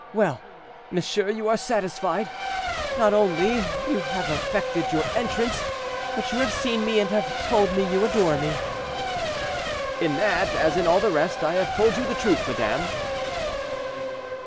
Well, monsieur, you are satisfied; not only you have effected your entrance, but you have seen me, and have told me you adore me." "In that, as in all the rest, I have told you truth, madame."